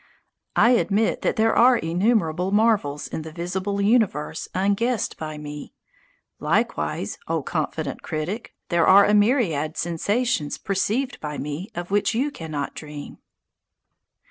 I admit that there are innumerable marvels in the visible universe unguessed by me. Likewise, O confident critic, there are a myriad sensations perceived by me of which you do not dream.